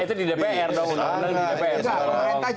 itu di dpr dong undang undang di dpr sekarang